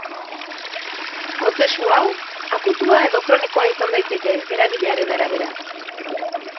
Prozesu hau akutua edo kronikoa izan daiteke, eragilearen arabera.